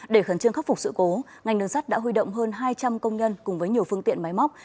để khẩn trương khắc phục sự cố ngành đường sắt đã huy động hơn hai trăm linh công nhân cùng với nhiều phương tiện máy móc